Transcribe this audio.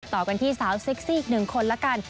ต่อกันที่สาวเซ็กซี่อีกหนึ่งคนละกัน